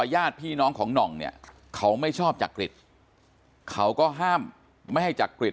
ญาติพี่น้องของหน่องเนี่ยเขาไม่ชอบจักริตเขาก็ห้ามไม่ให้จักริต